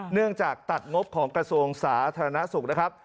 เนื่องจากตัดงบของกระทรวงสาธารณสุขนะครับ